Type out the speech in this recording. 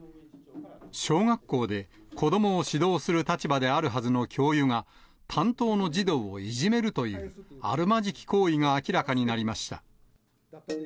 小学校で子どもを指導する立場であるはずの教諭が、担当の児童をいじめるという、あるまじき行為が明らかになりました。